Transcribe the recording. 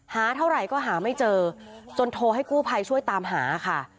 หาเท่าไหร่ก็หาไม่เจอจนโทรให้กู้ภัยช่วยตามหาค่ะ